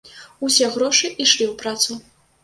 Усе грошы ішлі ў працу.